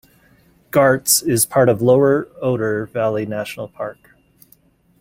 Gartz is part of Lower Oder Valley National Park.